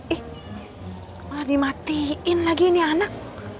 ih malah dimatiin lagi ini anak